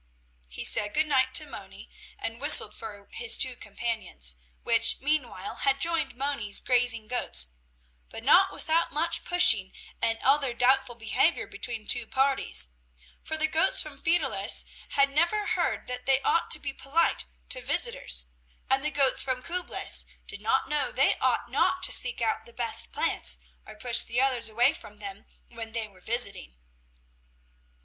He said good night to Moni and whistled for his two companions, which meanwhile had joined Moni's grazing goats, but not without much pushing and other doubtful behavior between the two parties, for the goats from Fideris had never heard that they ought to be polite to visitors and the goats from Küblis did not know that they ought not to seek out the best plants or push the others away from them, when they were visiting.